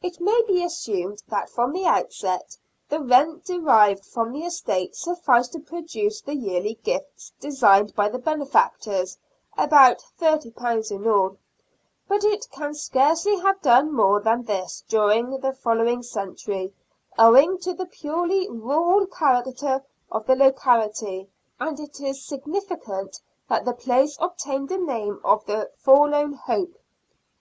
It may be assumed that from the outset the rent derived from the estate sufficed to produce the yearly gifts designed by the benefactors (about £30 in all), but it can scarcely have done more than this during the following century, owing to the purely rural character of the locality, and it is significant that the place obtained the name of the " Forlorn Hope."